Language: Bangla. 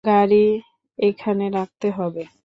গাড়ি এখানে রাখতে হবে।